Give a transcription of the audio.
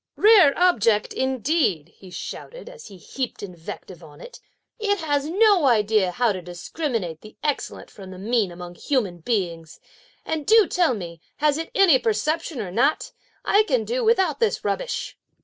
"Rare object, indeed!" he shouted, as he heaped invective on it; "it has no idea how to discriminate the excellent from the mean, among human beings; and do tell me, has it any perception or not? I too can do without this rubbish!"